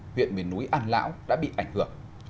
huyện miền núi an lão đã bị ảnh hưởng